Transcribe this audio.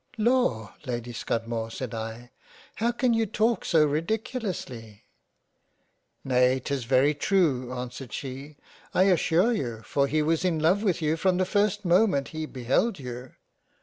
" Law ! Lady Scudamore said I, how can you talk so ridiculously ?"" Nay, t'is very true answered she, I assure you, for he was in love with you from the first moment he beheld you."